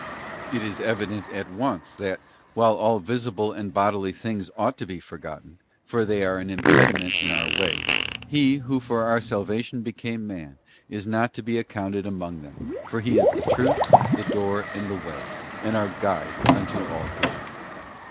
It is evident at once that, while all visible and bodily things ought to be forgotten, for they are an impediment in our way, He, who for our salvation became man, is not to be accounted among them, for He is the Truth, the Door, and the Way, and our Guide unto all good.